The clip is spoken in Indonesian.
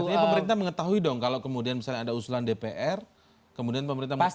artinya pemerintah mengetahui dong kalau kemudian misalnya ada usulan dpr kemudian pemerintah memutuskan